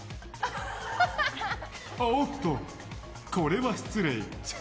おっと、これは失礼。